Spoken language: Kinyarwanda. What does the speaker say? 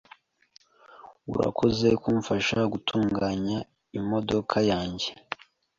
Urakoze kumfasha gutunganya imodoka yanjye .